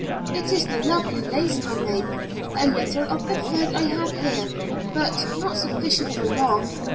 It is the lovely lace I make. A little of the thread I have here, but not sufficient for long.